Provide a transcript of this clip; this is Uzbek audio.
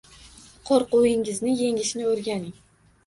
Qo’rquvingizni yengishni o’rganing